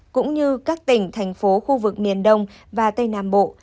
cũng như các tỉnh thành phố khu vực miền đông và tây nam bộ